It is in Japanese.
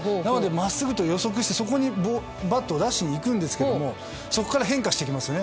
真っすぐと予測してそこにバットを出しにいくんですがそこから変化していきます。